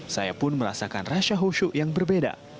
saya pun merasakan rasa husyuk yang berbeda